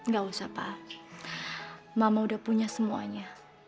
gak usah pak mama udah punya semuanya